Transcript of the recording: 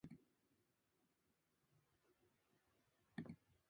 次の日も僕らは秘密基地にやってきた。君は写真集を持って、僕は機械を持って。